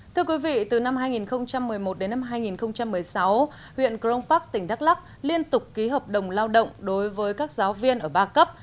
thưa quý vị từ năm hai nghìn một mươi một đến năm hai nghìn một mươi sáu huyện cronpark tỉnh đắk lắc liên tục ký hợp đồng lao động đối với các giáo viên ở ba cấp